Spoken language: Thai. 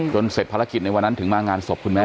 เสร็จภารกิจในวันนั้นถึงมางานศพคุณแม่